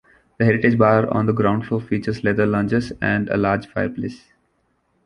The Heritage Bar on the ground floor features leather lounges and a large fireplace.